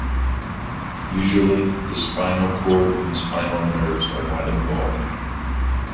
Usually the spinal cord and spinal nerves are not involved.